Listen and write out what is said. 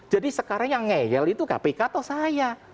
jadi sekarang yang ngehel itu kpk atau saya